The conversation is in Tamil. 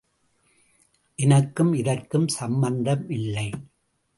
எனக்கும் இதற்கும் சம்பந்தமில்லை.